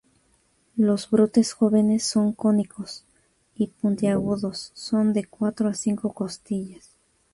Los brotes jóvenes son cónicos y puntiagudos con de cuatro a cinco costillas.